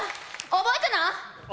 覚えてな！